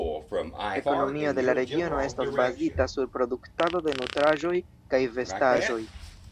Ekonomio de la regiono estas bazita sur produktado de nutraĵoj kaj vestaĵoj.